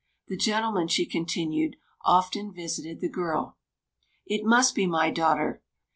The gentleman, she continued, often visited the girl. "It must be my daughter!"